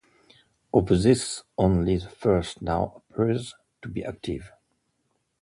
Of these only the first now appears to be active.